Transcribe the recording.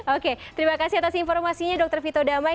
oke terima kasih atas informasinya dr vito damai